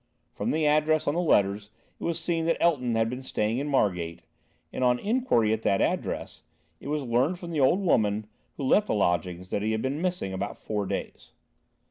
From the address on the letters it was seen that Elton had been staying in Margate, and on inquiry at that address, it was learnt from the old woman who let the lodgings, that he had been missing about four days.